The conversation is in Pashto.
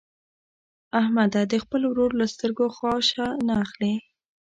احمده د خپل ورور له سترګو خاشه نه اخلي.